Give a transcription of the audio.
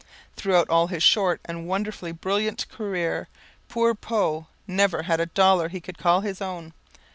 Throughout all his short and wonderfully brilliant career, poor Poe never had a dollar he could call his own.